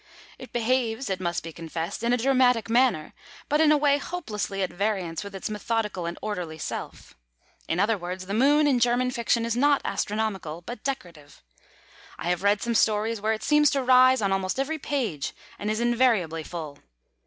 It behaves, it must be confessed, in a dramatic manner, but in a way hopelessly at variance with its methodical and orderly self. In other words, the Moon, in German fiction, is not astronomical, but decorative. I have read some stories where it seems to rise on almost every page, and is invariably full.